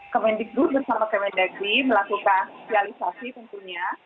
kementerian agama bersama kementerian agama melakukan realisasi tentunya